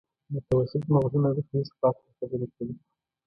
متوسط مغزونه د پېښو په هکله خبرې کوي.